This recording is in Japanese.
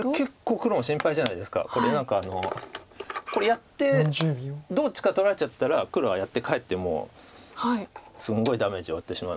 これ何かこれやってどっちか取られちゃったら黒はやってかえってもうすごいダメージを負ってしまうので。